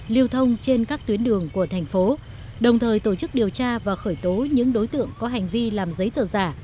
lưu thông trên các tuyến đường của thành phố đồng thời tổ chức điều tra và khởi tố những đối tượng có hành vi làm giấy tờ giả